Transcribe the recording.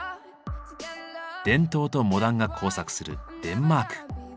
伝統とモダンが交錯するデンマーク。